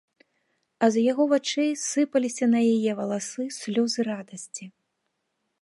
А з яго вачэй сыпаліся на яе валасы слёзы радасці.